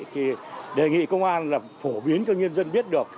thì đề nghị công an là phổ biến cho nhân dân biết được